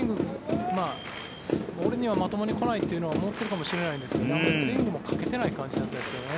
俺にはまともに来ないと思っているかもしれないんですがスイングもかけてない感じでしたね。